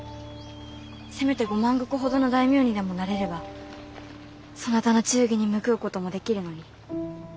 せめて５万石ほどの大名にでもなれればそなたの忠義に報うこともできるのに。